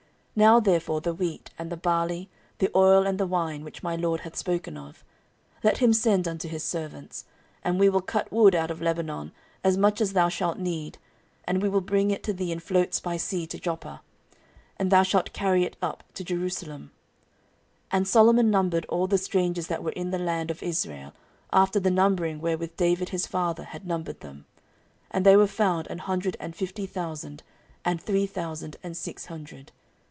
14:002:015 Now therefore the wheat, and the barley, the oil, and the wine, which my lord hath spoken of, let him send unto his servants: 14:002:016 And we will cut wood out of Lebanon, as much as thou shalt need: and we will bring it to thee in floats by sea to Joppa; and thou shalt carry it up to Jerusalem. 14:002:017 And Solomon numbered all the strangers that were in the land of Israel, after the numbering wherewith David his father had numbered them; and they were found an hundred and fifty thousand and three thousand and six hundred.